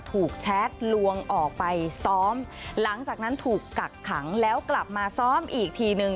แชทลวงออกไปซ้อมหลังจากนั้นถูกกักขังแล้วกลับมาซ้อมอีกทีนึง